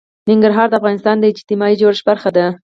ننګرهار د افغانستان د اجتماعي جوړښت برخه ده.